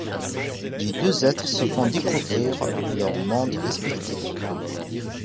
Les deux êtres se font découvrir leurs mondes respectifs.